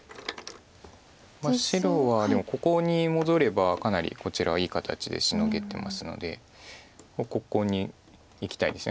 白はでもここに戻ればかなりこちらはいい形でシノげてますのでここにいきたいですよね。